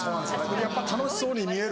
やっぱ楽しそうに見えるから。